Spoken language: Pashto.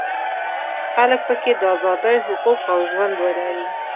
خلک په کې د ازادیو حقوق او ژوند ولري.